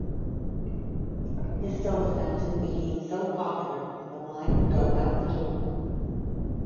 His soda fountain became so popular that the line would go out the door.